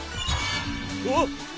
うわっ！